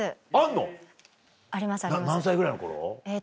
何歳ぐらいの頃？